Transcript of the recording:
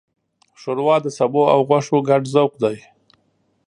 ښوروا د سبو او غوښو ګډ ذوق دی.